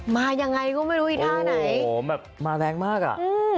มายังไงก็ไม่รู้อีกท่าไหนโอ้โหแบบมาแรงมากอ่ะอืม